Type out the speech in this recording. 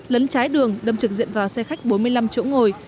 lấn trái đường đâm trực diện vào xe khách bốn mươi năm chỗ ngồi